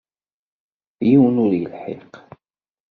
Yiwen ur yelḥiq.